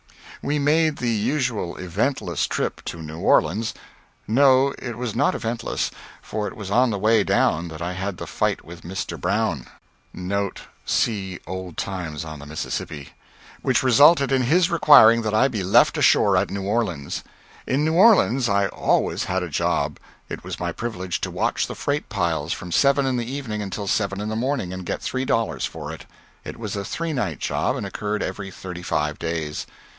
We made the usual eventless trip to New Orleans no, it was not eventless, for it was on the way down that I had the fight with Mr. Brown which resulted in his requiring that I be left ashore at New Orleans. In New Orleans I always had a job. It was my privilege to watch the freight piles from seven in the evening until seven in the morning, and get three dollars for it. It was a three night job and occurred every thirty five days.